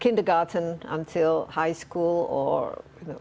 kindergarten sampai sekolah tinggi atau